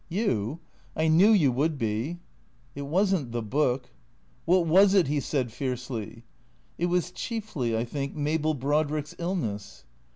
" You ? I knew you would be." " It was n't the book." " Wliat was it ?" he said fiercely. " It was chiefly, I think, Mabel Brodrick's illness."